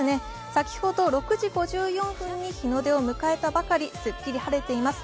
先ほど６時５４分に日の出を迎えたばかり、すっきり晴れています。